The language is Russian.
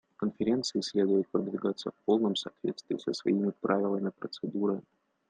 Конференции следует продвигаться в полном соответствии со своими правилами процедуры.